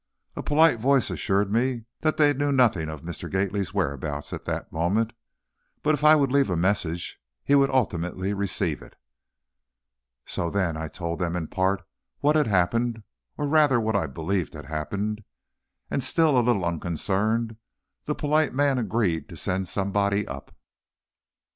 A polite voice assured me that they knew nothing of Mr. Gately's whereabouts at that moment, but if I would leave a message he would ultimately receive it. So, then, I told them, in part, what had happened, or, rather, what I believed had happened, and still a little unconcerned, the polite man agreed to send somebody up.